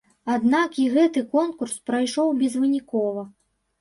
Аднак і гэты конкурс прайшоў безвынікова.